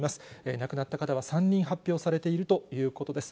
亡くなった方は３人発表されているということです。